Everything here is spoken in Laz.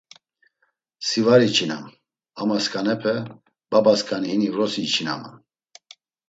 Si var içinam, ama sǩanepe, babasǩani hini vrosi içinaman.